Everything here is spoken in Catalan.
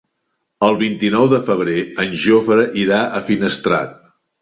El vint-i-nou de febrer en Jofre irà a Finestrat.